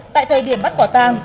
tại thời điểm bắt quả tang